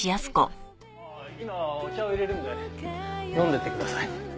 あっ今お茶を入れるんで飲んでいってください。